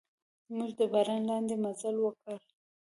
موږ د باران لاندې مزل وکړ.